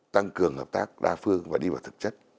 tăng cường hợp tác đa phương và đi vào thực chất